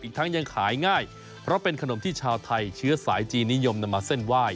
ทั้งยังขายง่ายเพราะเป็นขนมที่ชาวไทยเชื้อสายจีนนิยมนำมาเส้นไหว้